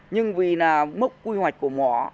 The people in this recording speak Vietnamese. nhưng vì là mốc quy hoạch của mỏ